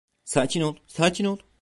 Sakin ol, sakin ol.